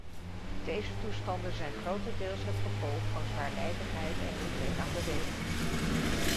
Deze toestanden zijn grotendeels het gevolg van zwaarlijvigheid en gebrek aan beweging.